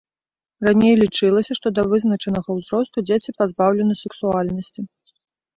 Раней лічылася, што да вызначанага ўзросту дзеці пазбаўлены сексуальнасці.